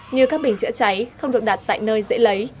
như các bình chữa cháy không được đặt tại nơi dễ lấy